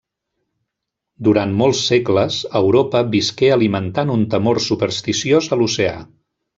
Durant molts segles, Europa visqué alimentant un temor supersticiós a l'oceà.